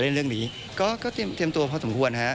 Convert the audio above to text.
แล้วมีติดต่อบอกไหมครับ